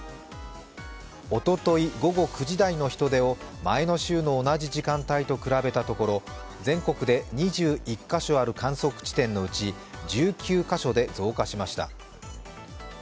おととい午後９時台の人出を前の週の同じ時間帯と比べたところ、全国で２１カ所ある観測地点のうち１９カ所で増加しました。